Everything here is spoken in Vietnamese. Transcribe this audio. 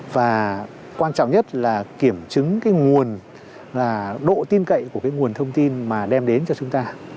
và quan trọng nhất là kiểm chứng cái nguồn là độ tin cậy của cái nguồn thông tin mà đem đến cho chúng ta